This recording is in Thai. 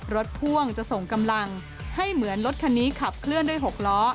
พ่วงจะส่งกำลังให้เหมือนรถคันนี้ขับเคลื่อนด้วย๖ล้อ